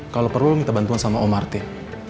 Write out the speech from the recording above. kalau perlu lo minta bantuan sama om martin